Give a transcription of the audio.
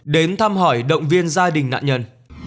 đến thăm hỏi động viên gia đình nạn nhân